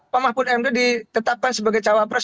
pak mahfud md ditetapkan sebagai cawapres